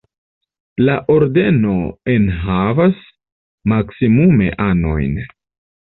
La Ordeno enhavas maksimume anojn.